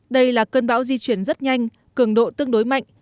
đây là cơn bão di chuyển rất nhanh cường độ tương đối mạnh